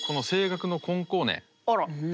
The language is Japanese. あら！